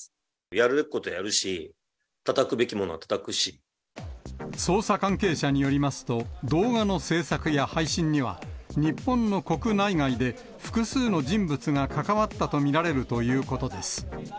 やるべきことはやるし、捜査関係者によりますと、動画の制作や配信には、日本の国内外で複数の人物が関わったと見られるということです。